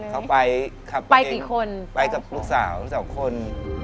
เขาไปกับลูกสาวสองคน